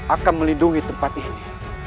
akan melindungi tempat ini